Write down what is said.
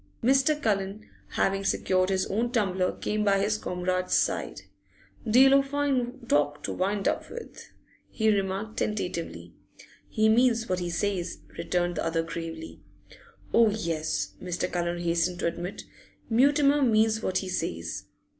Mr. Cullen, having secured his own tumbler, came by his comrade's side. 'Deal o' fine talk to wind up with,' he remarked tentatively. 'He means what he says,' returned the other gravely. 'Oh yes,' Mr. Cullen hastened to admit. 'Mutimer means what he says!